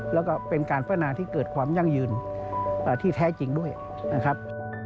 แล้วก็เป็นการพัฒนาที่เกิดความยั่งยืนที่แท้จริงด้วยนะครับ